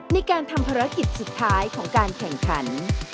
ในการทำภารกิจสุดท้ายของการแข่งขัน